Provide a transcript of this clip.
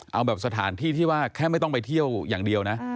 เอาแบบสถานที่ที่ว่าแค่ไม่ต้องไปเที่ยวอย่างเดียวนะ